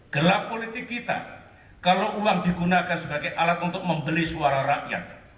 gelap politik kita kalau uang digunakan sebagai alat untuk membeli suara rakyat